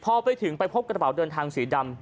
พอไปถึงไปพบกระเป๋าเดินทางสีดำ